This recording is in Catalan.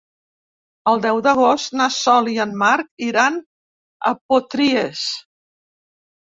El deu d'agost na Sol i en Marc iran a Potries.